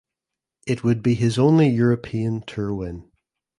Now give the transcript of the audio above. It would be his only European Tour win.